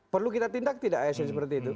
perlu kita tindak tidak asn seperti itu